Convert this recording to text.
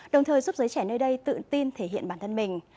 đồng thời giúp giới trẻ nơi đây tự tin thể hiện bản thân mình